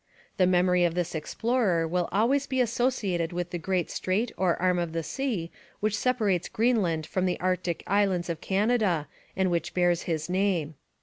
The memory of this explorer will always be associated with the great strait or arm of the sea which separates Greenland from the Arctic islands of Canada, and which bears his name.